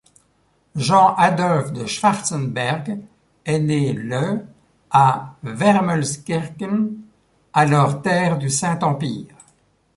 Jean-Adolphe de Schwarzenberg est né le à Wermelskirchen, alors terre du Saint-Empire.